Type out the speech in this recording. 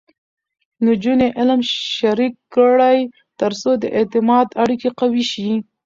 نجونې علم شریک کړي، ترڅو د اعتماد اړیکې قوي شي.